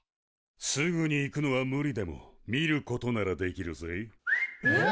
すぐに行くのは無理でも見ることならできるぜ。えっ！？